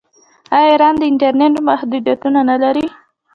آیا ایران د انټرنیټ محدودیتونه نلري؟